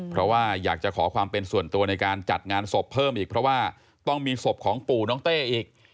เพราะว่าอยากจะขอความเป็นส่วนตัวในการจัดงานศพเพิ่มอีกเพราะว่าต้องมีศพของปู่น้องเต้อีก